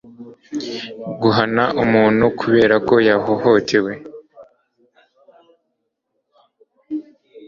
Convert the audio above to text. guhana umuntu kubera ko yahohotewe